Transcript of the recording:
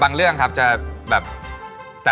แต่น้องไม่ยอมค่ะ